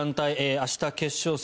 明日、決勝戦。